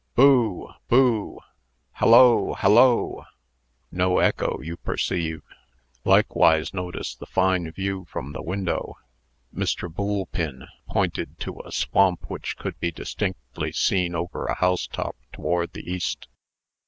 Boo! Boo! Hallo! Hallo! No echo, you perceive. Likewise notice the fine view from the window." Mr. Boolpin pointed to a swamp which could be distinctly seen over a housetop toward the east.